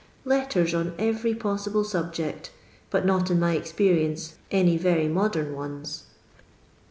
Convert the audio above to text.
Letters on every possible subject, hut not, in my experience, any very modern ones.